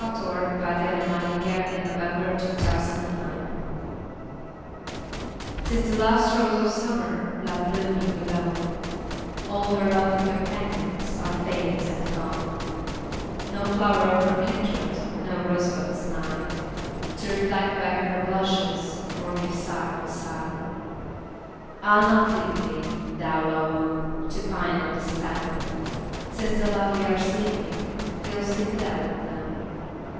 ...other Poetry Sites Thomas Moore (1779 1852) 'TIS THE LAST ROSE OF SUMMER 'TIS the last rose of summer, Left blooming alone ; All her lovely companions Are faded and gone ; No flower of her kindred, No rose bud is nigh, To reflect back her blushes, Or give sigh for sigh. I'll not leave thee, thou lone one ! To pine on the stem ; Since the lovely are sleeping, Go sleep thou with them.